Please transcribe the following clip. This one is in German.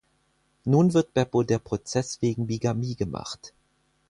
Nun wird Beppo der Prozess wegen Bigamie gemacht.